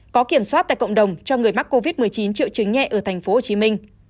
có kiểm soát tại cộng đồng cho người mắc covid một mươi chín triệu chứng nhẹ ở tp hcm